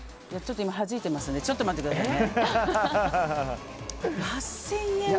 今、はじいてますのでちょっと待ってくださいね。